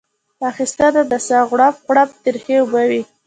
اخیسته د ساه غړپ غړپ ترخې اوبه وې